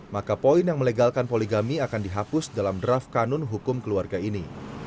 maka poin yang melegalkan poligami akan dihapus dalam draft kanun hukum keluarga ini